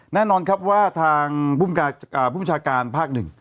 แน่นอนครับว่าทางภูมิชาการภ์๑